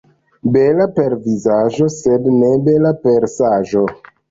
Bela per vizaĝo, sed ne bela per saĝo.